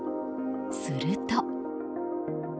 すると。